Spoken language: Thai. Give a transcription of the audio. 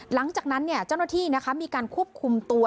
หลังจากนั้นเจ้าหน้าที่มีการควบคุมตัว